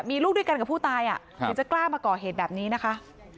มีลูกด้วยกันกับผู้ตายถึงจะกล้ามาก่อเหตุแบบนี้นะคะ